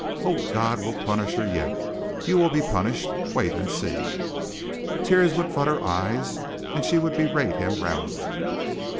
Oh, God will punish her yet! You will be punished! Wait and see." Tears would flood her eyes and she would berate him roundly.